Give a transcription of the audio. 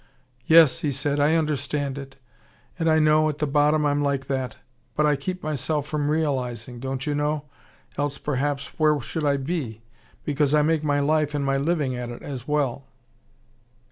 "Yes," he said. "I understand it. And I know, at the bottom, I'm like that. But I keep myself from realising, don't you know? Else perhaps, where should I be? Because I make my life and my living at it, as well."